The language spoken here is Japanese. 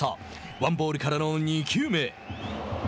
ワンボールからの２球目。